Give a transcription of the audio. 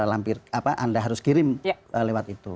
anda harus kirim lewat itu